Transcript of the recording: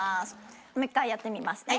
もう１回やってみますね。